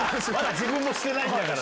自分もしてないんだから。